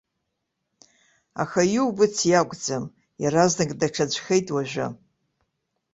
Аха иубац иакәӡам, иаразнак даҽаӡәхеит уажәы.